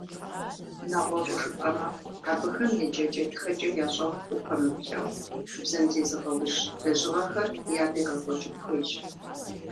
Нэгъуэщӏу жыпӏэмэ, абыхэм еджэкӏэ-тхэкӏэ ящӏэху упэмыплъэу, бзэм зезыгъэужь лэжьыгъэхэр ядегъэкӏуэкӏын хуейщ.